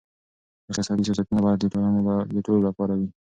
اقتصادي سیاستونه باید د ټولو لپاره وي.